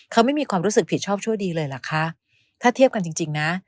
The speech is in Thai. เขาไม่มีความรู้สึกผิดชอบชั่วดีเลยเหรอคะถ้าเทียบกันจริงจริงนะ